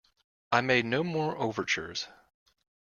I made no more overtures.